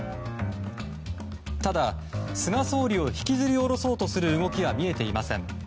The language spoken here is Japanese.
ただ、菅総理を引きずり降ろそうとする動きは見えていません。